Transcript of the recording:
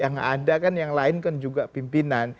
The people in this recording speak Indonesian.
yang ada kan yang lain kan juga pimpinan